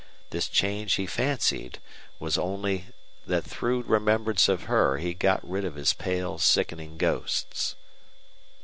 This change he fancied, was only that through remembrance of her he got rid of his pale, sickening ghosts.